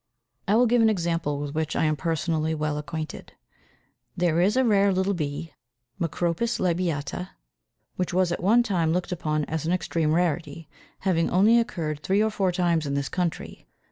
I will give an example with which I am personally well acquainted. There is a rare little bee (Macropis labiata) which at one time was looked upon as an extreme rarity, having only occurred three or four times in this country.